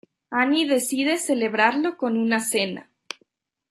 Annie decide celebrarlo con una cena.